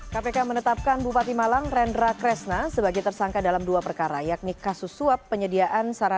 kepala kepala kepala